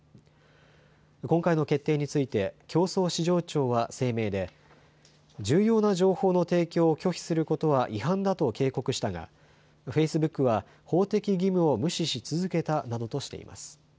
今回の決定について競争・市場庁は声明で重要な情報の提供を拒否することは違反だと警告したがフェイスブックは法的義務を無視し続けたなどとしています。